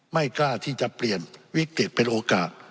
ไม่กล้าที่จะเปลี่ยนวิกฤตเป็นโอกาส